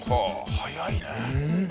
早いね。